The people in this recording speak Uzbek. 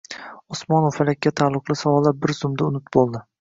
Osmonu Falakka taalluqli savollar bir zumda unut bo‘ldi.